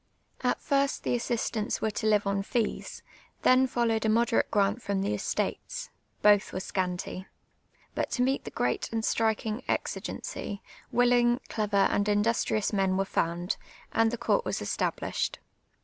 At first the assistants were to live on fees ; tlien followed a moderate p ant fiom the estates ; both were scnnty. IJut to meet the {J!;reat and striking; exi<;eney, willinpj, clever, and industrious men were found, and the court was established.